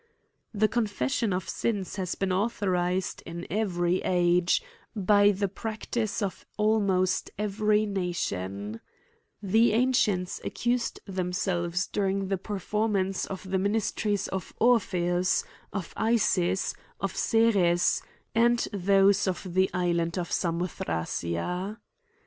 The confession of sins has been authorised, in every age, by the practice of almost every nation^ The ancients accused themselves during the per formance of the misteries of Orpheus, oflsis, of Ceres, and those of the island of Samothracia.